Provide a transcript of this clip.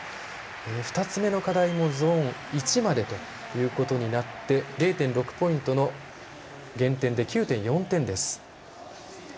２つ目の課題もゾーン１までということになって０．６ポイントの減点で９．４点です。